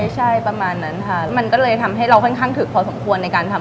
ใช่ประมาณนั้นค่ะมันก็เลยทำให้เราค่อนข้างถึกพอสมควรในการทำ